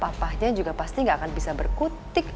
papahnya juga pasti nggak akan bisa berkutik